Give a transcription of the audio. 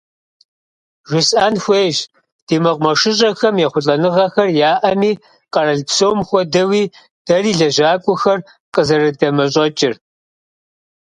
Жысӏэн хуейщ, ди мэкъумэшыщӏэхэм ехъулӏэныгъэхэр яӏэми, къэрал псом хуэдэуи, дэри лэжьакӏуэхэр къызэрыдэмэщӏэкӏыр.